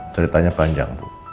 ceritanya panjang ibu